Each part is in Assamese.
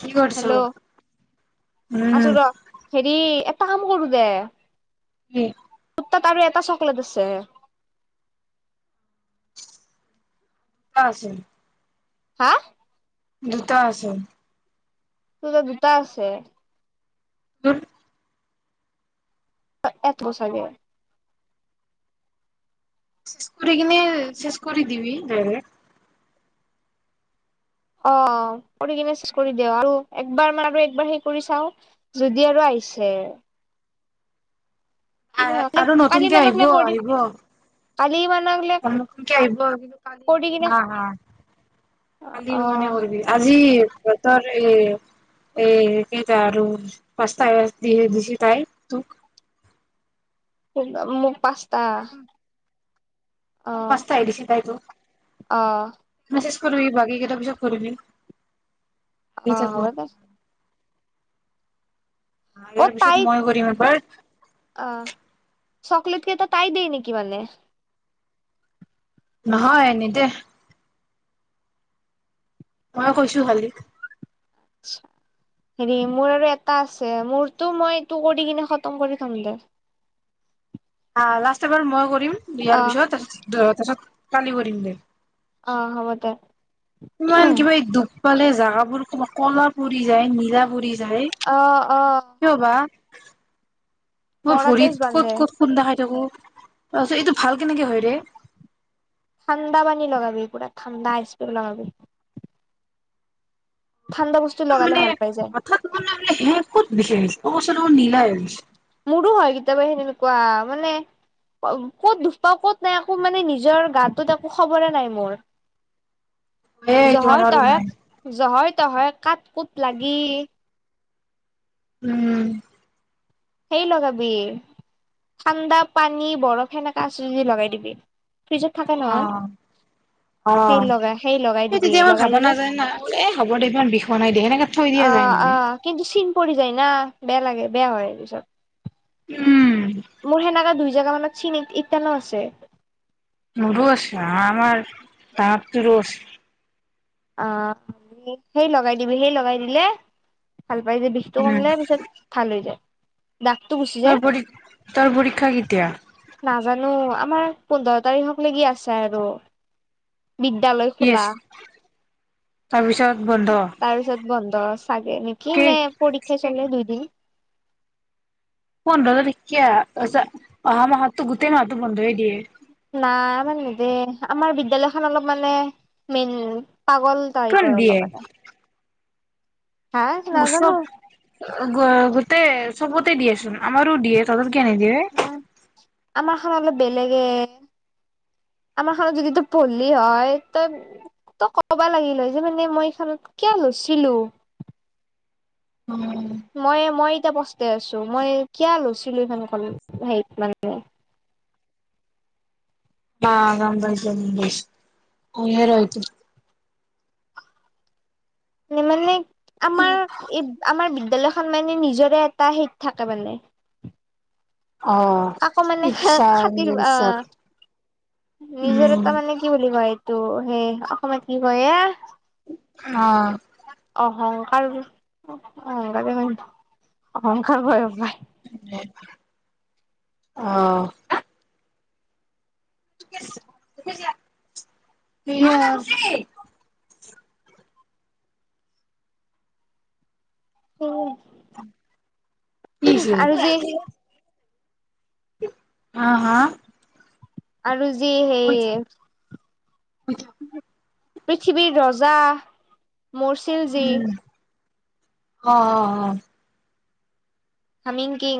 কি কৰিছ? হেল্ল' উম, আছো ৰ হেৰি, কাম কৰোঁ দে। [unintelligible] তোৰ তাত আৰু এটা চকলেট আছে। আছেন হা দুটা আছে তোৰ ত দুটা আছে। তোৰ এক বছৰে চেছ কুৰি কিনে চেছ কৰি দিবি দাৰেক অ কৰি কিনে চেছ কৰি দেঅ আৰু একবাৰ মাৰো আৰু একবাৰ সেই কৰি চাও যদি আৰু আহিছে। কিবা আহ আৰু কালি নতুনকে আহিব মানকলে কৰিম আহিব কালি মানকলে নতুনকে আহিব কৰি কিনে হা হা কালি মানে অ কৰবি আজি তৰতৰ এই এ কেইটা আৰু পাঁচটা এছ দি দিছি তাই তোক মোক পাঁচ টা প্ৰথম পাঁচতা এৰি দিছি তাই তোক অ মেছেজ কৰিবি বাকী কেইটা পিছত কৰিবি আহি অ থাকব। হ'ব দে অ ইয়াৰ তাই পিছত মই কৰিম এবাৰ অ চকলেট কেইটা তাই দে নেকি মানে নহয় নেদে মই কৈছোঁ খালী হেৰি মোৰ আৰু এটা আছে মোৰতো মইটো কৰি কিনে খতম কৰি থম দে আ লাষ্ট এবাৰ মই কৰি কৰিম অ ইয়াৰ পিছত তাপিছত কালি কৰিম দে অ হ'ব দে কুমান কিবা এ দুখ পালে জাগাবোৰ ক ক'লা পৰি যায় নীৰা পৰি যায় যাই অ অ কিয় বা মই মৰা তেজ ভৰিত বান্ধে ক'ত ক'ত খুন্দা খাই থাকো তাৰপাছত এইটো ভাল কেনেকে হয় ৰে ঠাণ্ডা পানী লগাবি পুৰা ঠাণ্ডা আইচ কিউব লগাবি ঠাণ্ডা বস্তু লগালে মানে ভাল পাই যায় হঠাৎ ম মানে হে বিষাইছে অঁ ল নীলা হৈ গৈছে মোৰো হয় কেতিয়াবা সেনেকুৱা মানে ক'ত দোখ পাওঁ ক'ত নাই একো মানে নিজৰ গাটোত একো খবৰে নাই মোৰ এ এইটো আমাৰ জহৰত নাই নহয় জহৰ হয় কাত কোত লাগি উম সেই লগাবি ঠাণ্ডা পানী বৰফ সেনেকা আছে যদি লগাই দিবি। ফ্ৰিজত থাকে নহয় অঁ সেই অঁ লগাই লগাই সেই দিবি তেতিয়া মই লগাই ভাব দিলে নাাজায় না এ খবৰ দে ইমান বিষ নাই দেিয় সেনেকে থৈ দিয়া যায় নেকি। য না বেয়া লাগে বেয়া হয়। তাত। উম। মোৰ সেনেকা দুই জেগা মানত। চিনিত ইত্যয়ালা আছে। মোৰো আছে আমাৰ ডাঙৰ টোৰও আছে। আহ সেই লগাই দিবি সেই লগাই দিলে। ভাল পাই যে বিষটো উম, কমলোই পিছত ভাল হৈ যায়। দাগটো গুচি যায় তোৰ পৰী তোৰ পৰীক্ষা কেতিয়া? নাজানো আমাৰ পোন্ধৰ তাৰিখক লকি আছে আৰু, বিদ্যালয় ইয়েছ, খোলা, তাৰপিছত বন্ধ। ফচ। চাগে নেকি কি? নে পৰীক্ষা চলে দুইদিন, পোন্ধৰ ত তেখে অহা মাহত গোটেই মাতো বন্ধ দিয়ে। নাই মানে দে আমাৰ বিদ্য়ালয়খন অলপ মানে মেইন। পাগল তাৰি কিয় পৰে নিদিয়ে? লগবতে। গচ গ গোটেই। চবতে দিয়েচোন আমাৰো দিয়ে ত। নিদিয়ে। আমাৰ খন অলপ বেলেগে আমাৰ খত যদি ত পললি হয় তই তই ক'বা লাগিল যে মানে মই এইখনত কিয় লৈছিলো। উম, মই মই এতিয়া পস্তাই আছো মই কিয় লৈছিলো এখন হেৰিত মানে। অঁ গম পাইছো। মই মানে। আমাৰ এই আমাৰ। বিদ্যালয়ৰ খনৰ মানে নিজৰে এটা হীত থাকে মানে, অহ। আকৌ মানে ইচ্ছা খাতিৰ নিজৰ ইচ্ছাত আঁহ নিজৰ উম, এটা মানে কি বুলি কয়? ত' সেই অসমত কি কয়। অঁ। অহংকাৰ অহংকাৰ বয়স। অঁ। [unintelligible] অঁ। কি আৰু হৈছে। যি হাঁ হ আৰু যি সেই আচছা [unintelligible] পৃথিৱীৰ ৰজা মৰ্ছিলজী অঁ অঁ অঁ হামিম কিং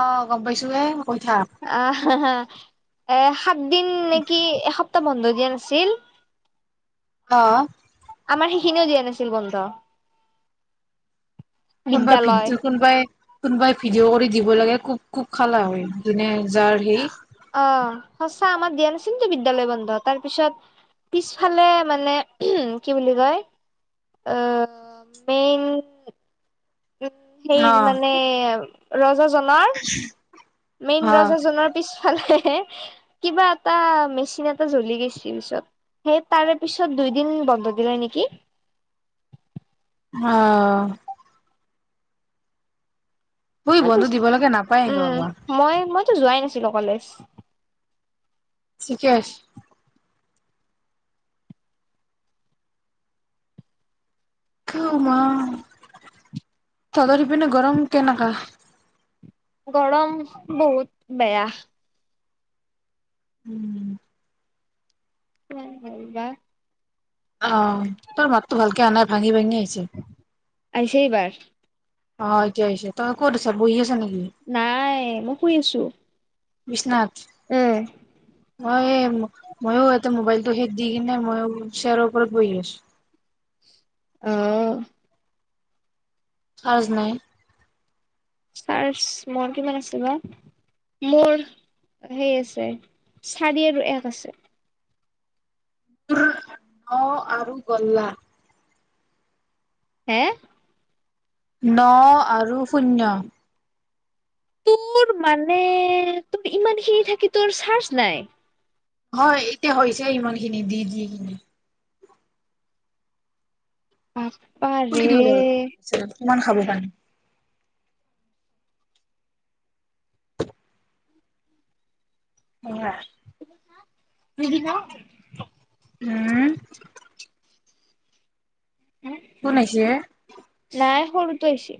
অঁ গম পাইছোঁ হে কথা হঁ হা এ সাত দিন নেকি এসপ বন্ধ দিয়া নাছিল অ আমাৰ সেইখিনিও দিয়া নাছিল বন্ধ কোনোবাই ভি বিদ্যালয় কোনোবাই কোনবাই ভিডিঅ' কৰি দিব লাগে খুব খুব সালা হয় কিনে অঁ সঁচা আমাৰ দিয়া নাছিল টো বিদ্যালয় বন্ধ তাৰ পিছত পিছফালে মানে উমহ কি বুলি কয় আহ মেইন উ সেই অ মানে ৰজা জনাৰ মেইন অ ৰজা জনৰ পিছ ফালে এহে হে কিবা এটা মেচিন এটা জ্বলি গৈছি পিছত সেই তাৰে পিছত দুই দিন বন্ধ দিলে নেকি আহ হোই মইতো বন্ধ দিব লাগে নাপায় এনকে উম কৰবা মই মইতো যোৱাই নাছিলো কলেজ ঠিকে উ মা তঁহতৰপিনে গৰম কেনকা গৰম বহুত বেয়া উম কিমান হ'ল বা অ তোৰ মাতটো ভাল কে অহা নাই ভাঙি ভাঙি আ আহিছে এইবাৰ অ এতিয়া আহিছে তই ক'ত আছ বহি আছ নেকি নাই মই শুই আছোঁ বিছনাত উম অ, এই মইয়ো এতিয়া মোবাইলটো সে দি কিনে মইয়ো শ্বেয়াৰ ওপৰত বহিলোঁ। অহ চাজ নাই। চাজ মোৰ কিমান আছে বা মোৰ হেই আছে, চাৰি আৰু এক আছে। ন অ, আৰু গ'লা হে ন আৰু শূন্য। তোৰৰো মানে, তোৰ ইমানখিনি থাকি তোৰ চাৰজ নাই। হয়, এতিয়া হৈছে ইমান খিনি দি-দি হয় খুলি পাৰে দিওঁ ৰ কিমান খাবি পান? উম এৰি [unintelligible] উম কোন আহিছে? নাই সৰুটো আহিছে।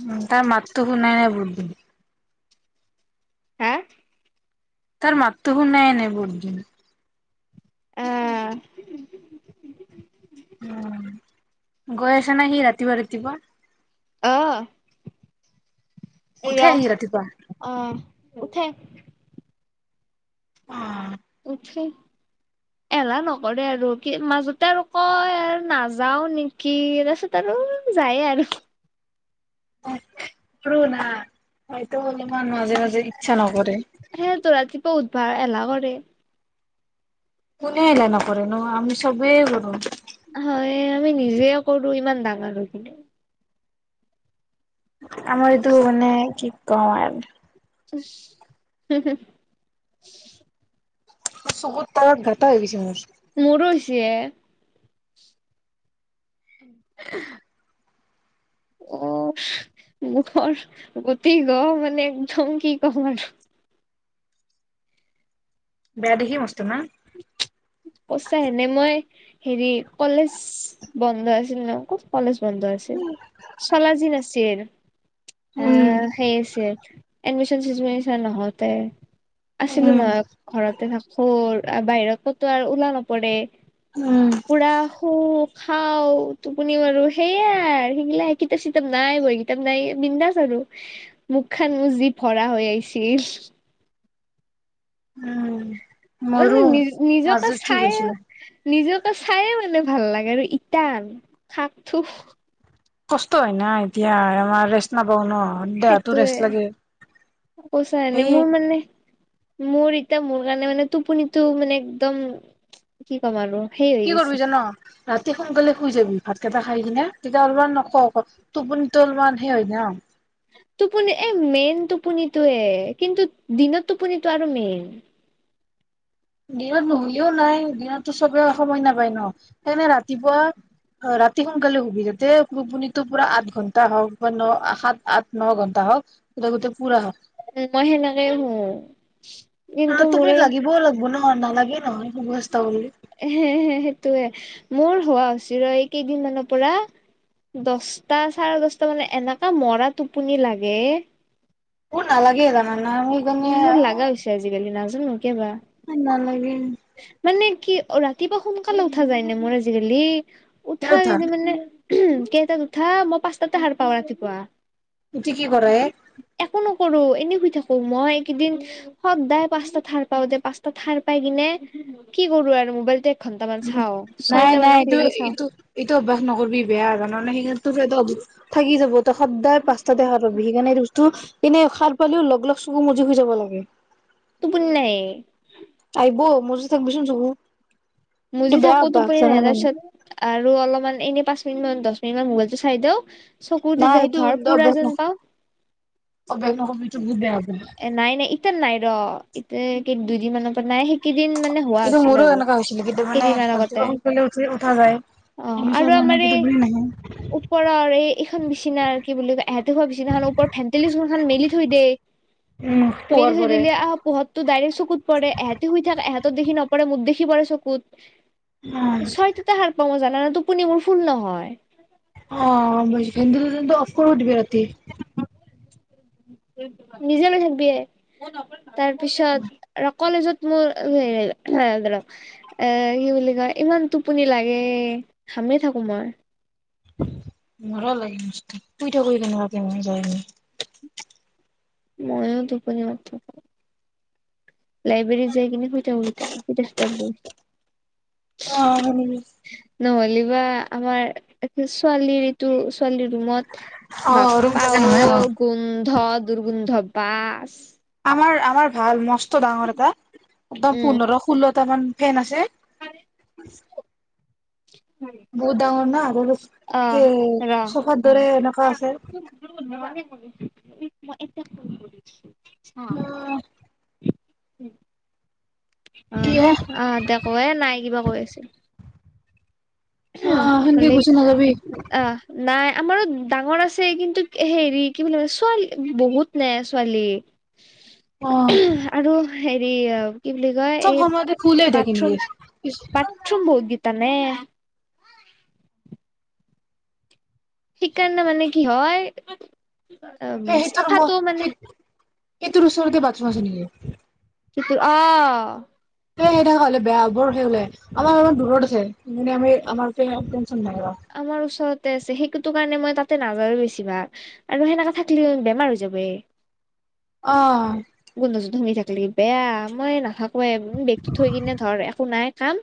উম, তাৰ মাত ত শুনাই নাই, বহুত দিন। হা তাৰ মাতটো শুনাই নাই, বহুত দিন? আহ উম, গৈ আছে নে সি ৰাতিপুৱা-ৰাতিপুৱা অ'হ উঠে এইয়া সি ৰাতিপুৱা অ উঠে অ উঠি, এলাহ নকৰে আৰু কি মাজতে আৰু কয় আৰু নাযাওঁ নেকি তাৰপাছত আৰু যায় আৰু ৰ না, হয়টো হ'লে মনত মাজে-মাজে ইচ্ছা নকৰে। বা এলাহ কৰে। কোনে এলাহ নকৰে নো, আমি সবেই কৰো। হয়, আমি নিজে কৰো, ইমান ডাঙৰ হৈ কিনে। আমাৰ এইটো মানে কি কমন হুম-হুম চকুত তাৰত গাটা হৈ গৈছে মোৰ। মোৰো হৈছে। [unintelligible] অ, মুখৰ গতি-গ্ৰহ মানে একদম কি কম আৰু বেয়া দেখি মস্ত না পইচা এনে লই হেৰি, কলেজ বন্ধ আছিল ন, কলেজ বন্ধ আছে, চালাজিন আছে, উম। আহ সেই আছে এডমিশন চেডমেশচন নহওতে। আছিলোঁ উম নহয় ঘৰতে থাকোঁ। বাহিৰত ক'ত। ত ওলোৱা নপৰে। পুৰা সো। খাওঁ টোপুনি মাৰো সেইয়াই সেইগিলা কিতাপ চিতাপ নাই। মোৰ কিতাপ নাই বিন্দাছ আৰু মোক খন যি ভৰা হৈ আহিছে আহিছে। উম। মোৰো এনেই নিজ নিজকে মাজত ঠিক চাই। হৈছিলো। নিজকে চাই মানে ভাল লাগে আৰু ইটাই আৰু শাক থো। কষ্ট হ'য় না এতিয়া আমাৰ নিচিনা। অ ন দেহাতটো ৰেষ্ট সেইটোয়ে লাগে কৈছা এনে সেই। মোৰ মানে মোৰ এতিয়া মোৰ কাৰণে মানে টোপনিটো মানে একদম কি ক'ম আৰু। সেই হৈ কি গৈছে কৰিবি জান ৰাতি। সোনকালে শুই যাবি ভাত কেইটা খাই কিনে। তেতিয়া অলপমান নকক টোপনিটো অলপমান সেই হয় ন। টোপনি এই মেইন টোপনিটোয়ে কিন্তু দিনত টোপনিতটো আৰু মেইন। দিনত নোশুলেও নাই দিনততো চবে সময় নাপায় ন, সেইকাৰণে ৰাতিপুৱা ৰাতি সোনকালে শুবি। তেতিয়া টোপনিটো পুৰা আঠ ঘন্টা হওঁক বা ন সাত আঠ ন ঘন্টা হওঁক বা গোটেই পুৰা হওঁক। উম মই সেনেকে শু। অ কিন্তু তুমি লাগিবও লাগে। নহয় নালাগে নহয়। শুব চেষ্টা কৰিলে হে হে সেইটোয়ে মোৰ হোৱা। চিৰ এই কেইদিনমানৰ পৰা দছটা চাৰে দছটা মানে এনেকা মৰা টোপনি লাগে। ও নালাগে জানা। মোৰ লগা হৈছে আজিকালি নাজানোঁ কিয় বা। নালাগে মানে। কি অ ৰাতিপুৱা সোনকালে উঠা যায় নে মোৰ আজিকালি। কেই উঠা উঠাবি মানে। কেইটাত উঠা মই পাঁচটাতে সাৰ পাওঁ ৰাতিপুৱা। উঠি কি কৰে। একো নকৰোঁ এনেই শুই থাকোঁ মই এই কেইদিন সদায় পাঁচটা সাৰ পাওঁ দে পাঁচটা সাৰ পাই কিনে। কি কৰোঁ আৰু মোবাইলতে। নাই নাই এইটোয় চাওঁ ইটো এইটো অভ্য়াস নকৰিবি বেয়া আৰু। মানে সেই থাকি যাব সদায় পাঁচাতে সাৰ হ সেইকাৰণে এই কৈছোঁ এনেই সাৰ পালেও লগ লগ চকু মুদি হৈ যাব লাগে। টোপনি নাই। আহিব মজি থাকিবিচোন চকু। এইটো মুজি বেয়া থাকোঁ অভ্যাস টোপনি নাই জানানে তাৰ পিছত। আৰু অলপমান এনে পাঁচ মিনিট মান দহ মিনিটা মান মোবাইলটো চাই দিওঁ। চকুতে না সেইটো ধৰ পুৰা অভ্যাস ন যেন পাওঁ। অভ্যাস নকৰিবি এইটো বহুত বেয়া অভ্যাস এ নাই নাই ইতিয়া নাই ৰ। এতিয়া কে দুইদিন মমানৰ পৰা নাই শ কেইদিন মানে হোৱা এইটো আছিল মোৰো আৰু এনেকা হৈছিলে কেতিয়া মানে কেইদিনমান আগতে ৰাতিপুৱা সোনকালে উঠি উঠা যায় অ অঁআৰু তাৰপিছত মানে আমাৰ এই টোপনি নাহে ওপৰৰ এই এইখন বিচনা কি বুলি কয় এহতি খোৱা বিচিনা ওপৰত ভেটেলিছ খ মেলি থৈ দেেই উম মেলি পোহৰ থৈ পৰে দিলে আহ পোহতটোো ডাইৰেক্ চকুত পৰে এহঁতে শুই থাকে এহঁতো দেখি নপৰে মোক দেখি পৰে চকুত উম হয় ছয়টোতে হাৰ পাওঁ ম জান নান টোপণিবোৰ ফুল নহয় অঁ ব ভন্দ অফকৰ্ উঠিবি ৰাতি নিজে নাথাকিবিয়ে তাৰপিছত কালেজত মোৰ এ কি বুলি কয় ইমান টোপনি লাগে হামেই থাকো মই মৰা লাগেুই থাক কেনেুৱাকে ম যায় ময়ো দুটোপনি মাত লাইব্ৰেৰী যাই কিনে শ থাক উৈ থাবা তাবো অনিবি নহ'লে বা আমাৰ ছোৱালীৰ এইটো ছোৱালীৰ ৰুমত অ ৰুম বাপ্পা থাকে নহয় অ অঔ গোন্ধ দুৰ্গোন্ধ পাঁচ আমাৰ আমাৰ ভাল মস ডাঙৰ এটা একদম উম পুনৰ ফুল কটামান ফেন আছে ব বূদঙ ন হ [unintelligible] আহ ৰা এনেকা আছে মই এটা ফোন কৰিছো অ উম অ কিহে অ দেখো এে নাই কিবা কৈ আছিল অ উম সেনকে হি গুচি নাযাবি অ নাই আমাৰো ডাঙৰ আছে কিন্তু হেৰি কি বুলি ছোৱালী বহুত নে ছোৱালী অ আৰু হেৰি আ কি বুলি কয় চব সময়তে এই ফুলে থাকে বাথৰুম নেকি সেই বাথৰুম বহ গীত তানে সেইকাৰণে মানে কি হয় উম স সেইটোৰ চাফাটো ৰুমত মানে সেই সেইটোৰ ওচৰতে বাথ ৰুম আছে নি চ আহ স সেনেুৱা হলে বেয়া বৰ সেই বোলে আমাৰ ইমান দূৰত আছে সে আমি আমাৰ নাই অ আমাৰ ওচৰত আছে সেইো কাৰণে মই তাতে নাযায়েই বেছি ভাগ আৰু সেনেককা থাকিলে বেমাৰ হৈ যাবই অ গোন্ধযো ধুঙি থাকিলি বেয়া মই নাথাকো ক বেগতটো থৈ কিনে ধৰ একো নাই কাম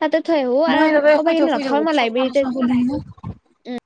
তাতে থৈ আহো মই আৰু তাতে ক'বাত শুই গি থাকো শুই নথয় থাকো মই চশমা লাইব্ৰেৰীতে তচমা খুলি কিনে উ